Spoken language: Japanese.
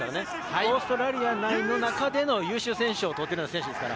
オーストラリアの中での優秀選手をとった選手です。